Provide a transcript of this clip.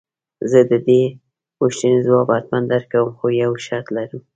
زه دې د دې پوښتنې ځواب حتماً درکوم خو يو شرط لرم.